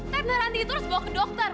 tentang terandi itu harus bawa ke dokter